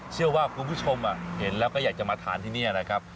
เชื่อว่าคุณผู้ชมเห็นแล้วก็อยากจะมาทานที่นี่นะครับ